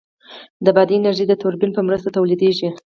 د باد انرژي د توربین په مرسته تولیدېږي.